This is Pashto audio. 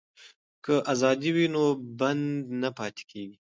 که ازادي وي نو بند نه پاتې کیږي.